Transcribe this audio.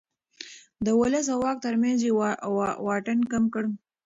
د ولس او واک ترمنځ يې واټن کم کړ.